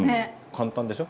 簡単でしょ？